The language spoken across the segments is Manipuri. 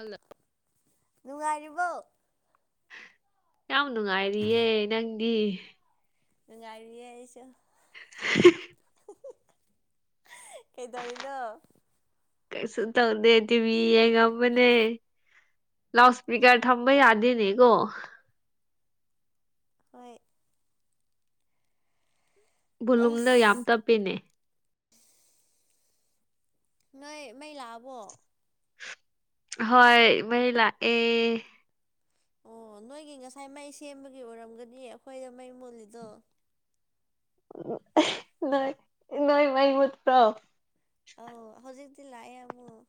ꯑꯜꯅꯥ ꯅꯨꯉꯥꯏꯔꯤꯕꯣ ꯌꯥꯝ ꯅꯨꯡꯉꯥꯏꯔꯤꯌꯦ ꯅꯪꯗꯤ ꯅꯨꯡꯉꯥꯏꯔꯤꯌꯦ ꯑꯩꯁꯨ [unintelligible] ꯀꯩꯗꯧꯋꯤꯅꯣ ꯀꯩꯁꯨ ꯇꯧꯗꯦ ꯇꯤꯚꯤ ꯌꯦꯡꯉꯝꯕꯅꯦ ꯂꯥꯎꯠ ꯏꯁꯄꯤꯀꯔ ꯑꯣ ꯊꯝ ꯕ ꯌꯥꯗꯦꯅꯦ ꯀꯣ ꯍꯣꯏ ꯕꯣꯂꯨꯝꯗ ꯌꯥꯝ ꯑꯁ ꯇꯞꯄꯦꯅꯦ ꯅꯣꯏ ꯃꯩ ꯂꯥꯛꯑꯕꯣ ꯍꯣꯏ ꯃꯩ ꯂꯥꯛꯑꯦ ꯑꯣ ꯅꯣꯏꯒꯤ ꯉꯁꯥꯏ ꯃꯩ ꯁꯦꯝꯕꯒꯤ ꯑꯣꯏꯔꯝꯒꯅꯤ ꯑꯩꯈꯣꯏꯗ ꯃꯩ ꯃꯣꯜꯂꯤꯗꯣ ꯅꯣꯏ ꯅꯣꯏ ꯃꯥ ꯃꯨꯠꯄ꯭ꯔꯣ ꯑꯥꯎ ꯍꯧꯖꯤꯛꯇꯤ ꯂꯥꯛꯑꯦ ꯑꯃꯨꯛ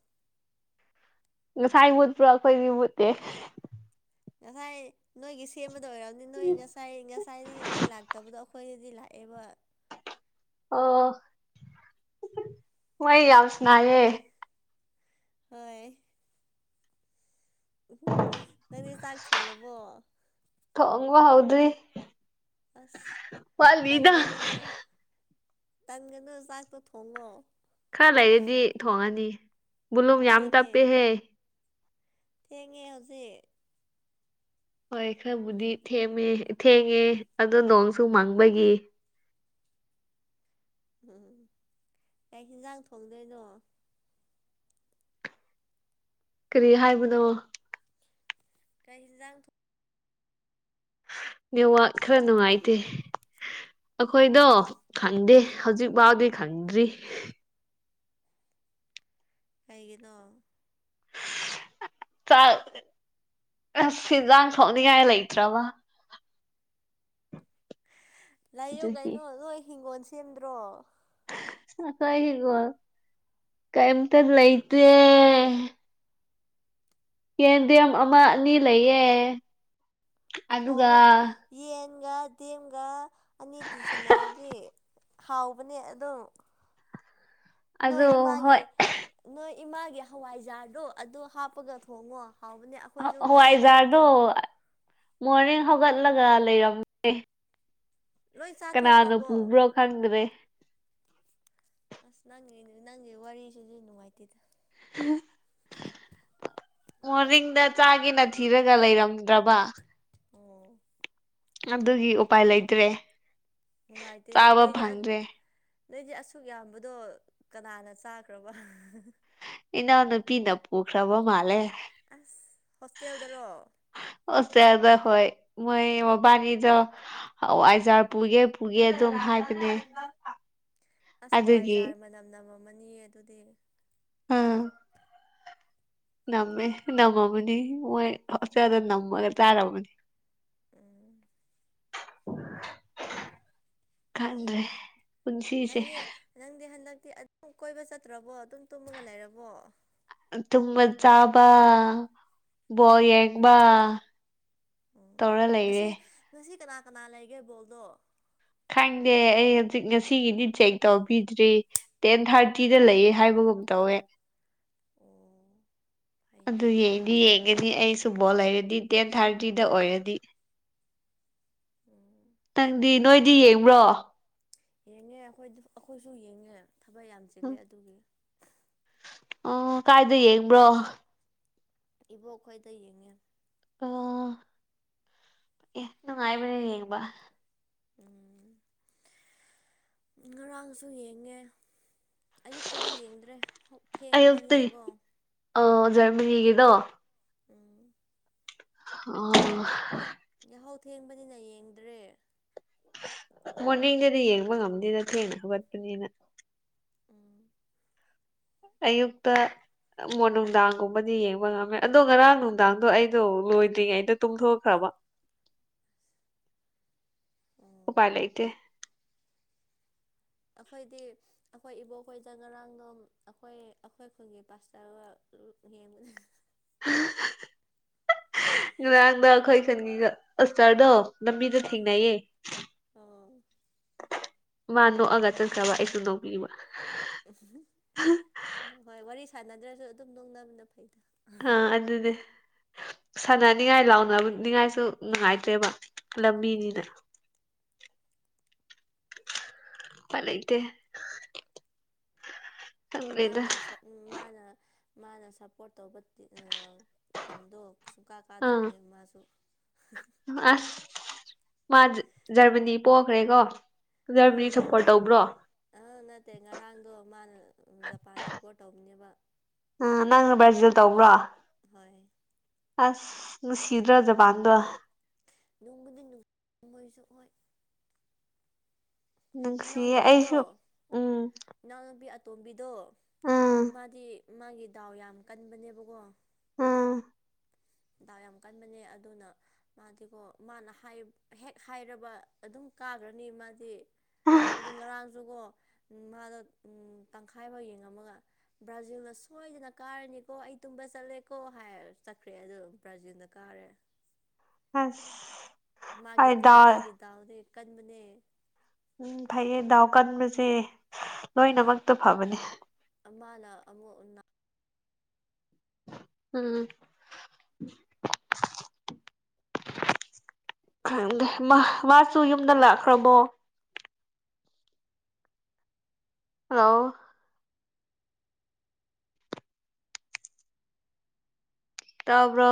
ꯉꯁꯥꯏ ꯃꯨꯠꯄ꯭ꯔꯣ ꯑꯩꯈꯣꯏꯒꯤ ꯃꯕꯨꯠꯇꯦ ꯉꯁꯥꯏ ꯅꯣꯏꯒꯤ ꯁꯦꯝꯕꯗ ꯑꯣꯏꯔꯝꯅꯤ ꯅꯣꯏ ꯉꯁꯥꯏ ꯉꯁꯥꯏꯗꯒꯤ ꯃꯩ ꯂꯥꯛꯇꯕꯗꯣ ꯑꯩꯈꯣꯏꯗꯗꯤ ꯂꯥꯛꯑꯦꯕ ꯑꯣ ꯋꯥꯌꯤ ꯌꯥꯝ ꯁꯥꯅꯒꯦ ꯍꯣꯏ ꯅꯪꯅꯦ ꯆꯥꯛ ꯊꯣꯡꯉꯕꯣ ꯊꯣꯉꯕ ꯍꯧꯗ꯭ꯔꯤ ꯑꯁ ꯋꯥꯠꯂꯤꯗ ꯇꯟꯒꯅꯨꯅꯦ ꯇꯟꯒꯅꯨ ꯆꯥꯛꯇꯣ ꯊꯣꯡꯉꯣ ꯈꯔ ꯂꯩꯔꯗꯤ ꯊꯣꯡꯉꯅꯤ ꯕꯣꯂꯨꯝ ꯌꯥꯝ ꯊꯦꯡꯉꯦ ꯇꯞꯄꯦꯍꯦ ꯊꯦꯡꯉꯦ ꯍꯧꯖꯤꯛ ꯍꯣꯏ ꯈꯔꯕꯨꯗꯤ ꯊꯦꯝꯃꯦ ꯊꯦꯡꯉꯦ ꯑꯗ ꯅꯣꯡꯁꯨ ꯃꯪꯕꯒꯤ ꯎꯝ ꯀꯩ ꯍꯤꯟꯖꯥꯡ ꯊꯣꯡꯗꯣꯏꯅꯣ ꯀꯔꯤ ꯍꯥꯏꯕꯅꯣ ꯀꯩ ꯍꯤꯟꯖꯥꯡ ꯇ ꯅꯦꯋꯥꯠ ꯈꯔ ꯅꯨꯡꯉꯥꯏꯇꯦ ꯑꯩꯈꯣꯏꯗꯣ ꯈꯪꯗꯦ ꯎꯝ ꯍꯧꯖꯤꯛ ꯐꯥꯎꯗꯤ ꯈꯪꯗ꯭ꯔꯤ ꯀꯩꯒꯤꯅꯣ ꯆꯥꯛ ꯑꯁ ꯍꯦꯟꯖꯥꯡ ꯊꯣꯡꯅꯤꯡꯉꯥꯏ ꯂꯩꯇ꯭ꯔꯕ ꯂꯥꯏꯌꯨ ꯑꯗꯨꯒꯤ ꯀꯩꯅꯣ ꯅꯣꯏ ꯍꯤꯡꯒꯣꯜ ꯁꯦꯝꯗ꯭ꯔꯣ ꯑꯈꯣꯏꯒꯤꯀꯣ ꯀꯩꯑꯝꯇ ꯂꯩꯇꯦ ꯌꯦꯟꯗꯦꯝ ꯑꯃ ꯑꯅꯤ ꯂꯩꯌꯦ ꯑꯗꯨꯒ ꯊꯣꯡꯉꯣ ꯌꯦꯟꯒ ꯗꯦꯝꯒ ꯑꯅꯤ ꯇꯤꯟꯁꯤꯟꯅꯔꯗꯤ ꯍꯥꯎꯕꯅꯦ ꯑꯗꯨꯝ ꯅꯣꯏ ꯑꯗꯣ ꯏꯃꯥꯒꯤ ꯍꯣꯏ ꯅꯣꯏ ꯏꯃꯥꯒꯤ ꯍꯋꯥꯏꯖꯥꯔꯗꯣ ꯑꯗꯨ ꯍꯥꯞꯄꯒ ꯊꯣꯡꯉꯣ ꯍꯥꯎꯕꯅꯦ ꯑ ꯍꯋꯥꯏꯖꯥꯔꯗꯣ ꯃꯣꯔꯅꯤꯡ ꯍꯧꯒꯠꯂꯒ ꯂꯩꯔꯝ ꯂꯣꯏ ꯀꯅꯥꯅꯣ ꯆꯥꯊꯣꯛꯈ꯭ꯔꯕꯣ ꯄꯨꯕ꯭ꯔꯣ ꯈꯪꯗ꯭ꯔꯦ ꯑꯁ ꯅꯪꯒꯤ ꯅꯦ ꯅꯪꯒꯤ ꯋꯥꯔꯤꯁꯤꯗꯤ ꯅꯨꯡꯉꯥꯏꯇꯦꯗ ꯃꯣꯔꯅꯤꯡꯗ ꯆꯥꯒꯦꯅ ꯊꯤꯔꯒ ꯂꯩꯔꯝꯗ꯭ꯔꯕ ꯑꯣ ꯑꯗꯨꯒꯤ ꯎꯄꯥꯏ ꯂꯩꯇ꯭ꯔꯦ ꯅꯨꯡꯉꯥꯏꯇꯦꯅꯦ ꯆꯥꯕ ꯅꯣꯏꯗꯤ ꯑ ꯐꯪꯗ꯭ꯔꯦ ꯅꯣꯏꯗꯤ ꯑꯁꯨꯛ ꯌꯥꯝꯕꯗꯣ ꯀꯅꯥꯅ ꯆꯥꯈ꯭ꯔꯕ ꯏꯅꯥꯎ ꯅꯨꯄꯤꯅ ꯄꯨꯈ꯭ꯔꯕ ꯃꯥꯜꯂꯦ ꯑꯁ ꯍꯣꯁꯇꯦꯜꯗꯔꯣ ꯍꯣꯁꯇꯦꯜꯗ ꯍꯣꯏ ꯃꯣꯏ ꯕꯥꯟꯅꯤꯗꯣ ꯍꯋꯥꯏꯖꯥꯔ ꯄꯨꯒꯦ ꯄꯨꯒꯦ ꯑꯗꯨꯝ ꯍꯥꯏꯕꯅꯦ ꯑꯁ ꯑꯗꯨꯒꯤ ꯍꯋꯥꯏꯖꯥꯔ ꯃꯅꯝ ꯅꯝꯃꯝꯃꯅꯤꯌꯦ ꯑꯗꯨꯗꯤ ꯎꯝ ꯅꯝꯃꯦ ꯅꯝꯃꯝꯃꯅꯤ ꯃꯣꯏ ꯍꯣꯁꯇꯦꯜꯗ ꯅꯝꯃꯒ ꯆꯥꯔꯝꯃꯅꯤ ꯎꯝ ꯑꯁ ꯈꯪꯗ꯭ꯔꯦ ꯄꯨꯟꯁꯤꯁꯦ ꯅꯪꯗꯤ ꯅꯪꯗꯤ ꯍꯟꯗꯛꯇꯤ ꯑꯗꯨꯝ ꯀꯣꯏꯕ ꯆꯠꯇ꯭ꯔꯕꯣ ꯑꯗꯨꯝ ꯇꯨꯝꯃꯒ ꯂꯩꯔꯕꯣ ꯇꯨꯝꯕ ꯆꯥꯕ ꯕꯣꯜ ꯌꯦꯡꯕ ꯎꯝ ꯇꯧꯔ ꯉꯁꯤ ꯂꯩꯔꯦ ꯉꯁꯤ ꯀꯅꯥ ꯀꯅꯥ ꯂꯩꯒꯦ ꯕꯣꯜꯗꯣ ꯈꯪꯗꯦ ꯑꯩ ꯍꯧꯖꯤꯛ ꯉꯁꯤꯒꯤꯗꯤ ꯆꯦꯛ ꯇꯧꯕꯤꯗ꯭ꯔꯤ ꯇꯦꯟ ꯊꯥꯔꯇꯤꯗ ꯂꯩꯌꯦ ꯍꯥꯏꯕꯒꯨꯝ ꯇꯧꯋꯦ ꯑꯣ ꯐꯩꯅꯦ ꯑꯗꯨ ꯌꯦꯡꯗꯤ ꯑꯗꯨꯗꯤꯀꯣ ꯌꯦꯡ ꯒꯅꯤ ꯑꯩꯁꯨ ꯕꯣꯜ ꯂꯩꯔꯗꯤ ꯇꯦꯟ ꯊꯥꯔꯇꯤꯗ ꯑꯣꯏꯔꯗꯤ ꯎꯝ ꯅꯪꯗꯤ ꯅꯣꯏꯗꯤ ꯌꯦꯡꯕ꯭ꯔꯣ ꯌꯦꯡꯉꯦ ꯑꯩꯈꯣꯏ ꯑꯩꯈꯣꯏꯁꯨ ꯌꯦꯡꯉꯦ ꯊꯕꯛ ꯌꯥꯝ ꯆꯤꯜꯂꯦ ꯑꯗꯨꯒꯤ ꯑꯣ ꯀꯥꯏꯗ ꯌꯦꯡꯕ꯭ꯔꯣ ꯏꯕꯣꯛꯈꯣꯏꯗ ꯌꯦꯡꯉꯦ ꯑꯣ ꯑꯦ ꯅꯨꯡꯉꯥꯏꯕ꯭ꯔꯥ ꯌꯦꯡꯕ ꯎꯝ ꯉꯔꯥꯡꯁꯨ ꯌꯦꯡꯉꯦ ꯑꯌꯨꯛꯇꯗꯤ ꯌꯦꯡꯗ꯭ꯔꯦ ꯑꯌꯨꯛꯇꯩ ꯊꯦꯡꯕꯅꯤꯅꯀꯣ ꯑꯥ ꯖꯔꯃꯅꯤꯒꯤꯗꯣ ꯎꯝ ꯑꯣ ꯌꯥꯍꯧ ꯊꯦꯡꯕꯅꯤꯅ ꯌꯦꯡꯗ꯭ꯔꯦ ꯃꯣꯔꯅꯤꯡꯗꯗꯤ ꯌꯦꯡꯕ ꯉꯝꯗꯦꯗ ꯊꯦꯡꯅ ꯍꯧꯒꯠꯄꯅꯤꯅ ꯎꯝ ꯑꯌꯨꯛꯇ ꯑꯃꯣ ꯅꯨꯡꯗꯥꯡꯒꯨꯝꯕꯗꯤ ꯌꯦꯡꯕ ꯉꯝꯃꯦ ꯑꯗꯣ ꯉꯔꯥꯡ ꯅꯨꯡꯗꯥꯡꯗꯣ ꯑꯩꯗꯣ ꯂꯣꯏꯗ꯭ꯔꯤꯉꯩꯗ ꯇꯨꯝꯊꯣꯛꯈ꯭ꯔꯕ [inaudible] ꯎꯝ ꯎꯄꯥꯏ ꯂꯩꯇꯦ ꯑꯩꯈꯣꯏꯗꯤ ꯑꯩꯈꯣꯏ ꯏꯕꯣꯛꯈꯣꯏꯗ ꯉꯔꯥꯡꯗꯣ ꯑꯩꯈꯣꯏ ꯑꯩꯈꯣꯏ ꯈꯨꯟꯒꯤ ꯄꯥꯁꯇꯔꯒ ꯌꯦꯡꯕꯅꯦ ꯉꯔꯥꯡꯗꯣ ꯑꯩꯈꯣꯏ ꯈꯨꯟꯒꯤ ꯄꯥꯁꯇꯔꯗꯣ ꯂꯝꯕꯤꯗ ꯊꯦꯡꯅꯩꯌꯦ ꯑꯣ ꯃꯥ ꯅꯣꯛꯑꯒ ꯆꯠꯈ꯭ꯔꯕ ꯑꯩꯁꯨ ꯅꯣꯛꯄꯤꯕ ꯍꯣꯏ ꯋꯥꯔꯤ ꯁꯥꯟꯅꯗ꯭ꯔꯁꯨ ꯑꯗꯨꯝ ꯅꯣꯡꯅꯕꯅ ꯐꯩꯗ ꯑꯥ ꯑꯗꯨꯅꯦ ꯁꯥꯟꯅꯅꯤꯡꯉꯥꯏ ꯂꯥꯎꯅꯅꯤꯉꯥꯏꯁꯨ ꯅꯨꯡꯉꯥꯏꯇ꯭ꯔꯦꯕ ꯑꯣ ꯂꯝꯕꯤꯅꯤꯅ ꯎꯄꯥꯢ ꯂꯩꯇ꯭ꯔꯦ ꯃꯥꯅ ꯁꯞ ꯃꯥꯅ ꯃꯥꯅ ꯁꯞꯄꯣꯔꯠ ꯇꯧꯕ ꯇꯤꯝ ꯇꯤꯝꯗꯣ ꯁꯨꯡꯀꯥ ꯑꯥ ꯀꯥꯗꯕꯅꯦꯕ ꯃꯥꯁꯨ ꯑꯁ ꯃꯥ ꯖꯔꯃꯅꯤ ꯄꯣꯈ꯭ꯔꯦꯀꯣ ꯖꯔꯃꯅꯤ ꯁꯞꯄꯣꯔꯠ ꯇꯧꯕ꯭ꯔꯣ ꯑꯥ ꯅꯠꯇꯦ ꯉꯔꯥꯡꯗꯣ ꯃꯥꯅ ꯖꯄꯥꯟ ꯁꯞꯄꯣꯔꯠ ꯇꯧꯕꯅꯦꯕ ꯑ ꯅꯪꯅ ꯕ꯭ꯔꯥꯖꯤꯜ ꯇꯧꯕ꯭ꯔꯣ ꯍꯣꯏ ꯑꯁ ꯅꯨꯡꯁꯤꯗ꯭ꯔꯥ ꯖꯄꯥꯟꯗꯣ ꯅꯨꯡꯕꯨꯗꯤ ꯅꯨꯡ ꯃꯣꯏꯁꯨ ꯍꯣꯏ ꯅꯨꯡꯁꯤꯌꯦ ꯏꯅꯥꯎꯅꯨꯄꯤꯗꯣ ꯑꯩꯁꯨ ꯎꯝ ꯏꯅꯥꯎꯅꯨꯄꯤ ꯑꯇꯣꯝꯕꯤꯗꯣ ꯎꯝ ꯃꯥꯗꯤ ꯃꯥꯒꯤ ꯗꯥꯎ ꯌꯥꯝ ꯀꯟꯕꯅꯦꯕꯀꯣ ꯎꯝ ꯗꯥꯎ ꯌꯥꯝ ꯀꯟꯕꯅꯦ ꯑꯗꯨꯅ ꯃꯥꯗꯤꯀꯣ ꯃꯥꯅ ꯍꯥꯢ ꯍꯦꯛ ꯍꯥꯏꯔꯕ ꯑꯗꯨꯝ ꯀꯥꯒ꯭ꯔꯅꯤ ꯃꯥꯗꯤ ꯑꯗꯨ ꯉꯔꯥꯡꯖꯨꯀꯣ ꯃꯥꯗꯣ ꯇꯪꯈꯥꯏꯕꯧ ꯌꯦꯡꯉꯝꯃꯒ ꯕ꯭ꯔꯥꯖꯤꯜꯅ ꯁꯣꯏꯗꯅ ꯀꯥꯔꯅꯤꯀꯣ ꯑꯩ ꯇꯨꯝꯕ ꯆꯠꯂꯦꯀꯣ ꯍꯥꯏꯔꯒ ꯆꯠ ꯈ꯭ꯔꯦ ꯑꯗꯨꯒ ꯕ꯭ꯔꯖꯤꯜꯅ ꯀꯥꯔꯦ ꯑꯁ ꯃꯥꯒꯤ ꯍꯣꯏ ꯗꯥꯎ ꯃꯥꯒꯤ ꯗꯥꯎꯗꯤ ꯀꯟꯕꯅꯦ ꯎꯝ ꯐꯩꯌꯦ ꯗꯥꯎ ꯀꯟꯕꯁꯦ ꯂꯣꯏꯅꯃꯛꯇ ꯐꯕꯅꯦ ꯃꯥꯅ ꯑꯃꯨꯛ ꯅꯥ ꯎꯝ ꯈꯪꯗꯦ ꯃꯥ ꯃꯥꯁꯨ ꯌꯨꯝꯗ ꯂꯥꯛꯈ꯭ꯔꯕꯣ ꯍꯜꯂꯣ ꯇꯥꯕ꯭ꯔꯣ